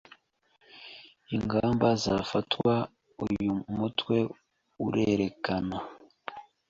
Ingamba zafatwa Uyu mutwe urerekana